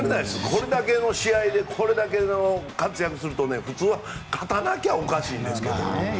これだけの試合でこれだけの活躍をすると普通は勝たなきゃおかしいんですけどね。